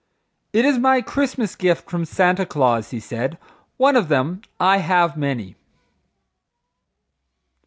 "It is my Christmas gift from Santa Claus," he said. "One of them; I have many."